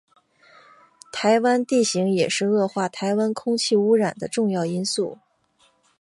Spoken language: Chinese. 台湾的地形也是恶化台湾空气污染的重要因素。